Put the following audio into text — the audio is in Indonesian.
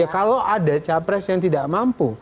kalau ada capres yang tidak mampu